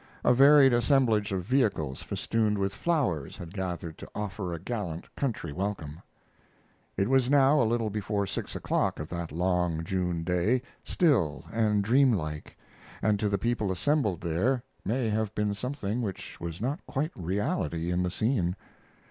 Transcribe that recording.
A varied assemblage of vehicles festooned with flowers had gathered to offer a gallant country welcome. It was now a little before six o'clock of that long June day, still and dreamlike; and to the people assembled there may have been something which was not quite reality in the scene.